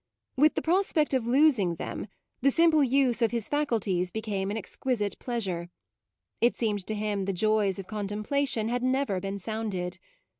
With the prospect of losing them the simple use of his faculties became an exquisite pleasure; it seemed to him the joys of contemplation had never been sounded.